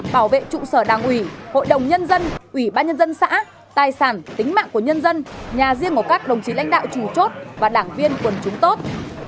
bảo vệ trụ sở đảng ủy hội đồng nhân dân ủy ban nhân dân xã tài sản tính mạng của nhân dân nhà riêng của các đồng chí lãnh đạo chủ chốt và đảng viên quần chúng tốt